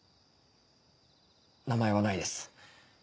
名前はないです。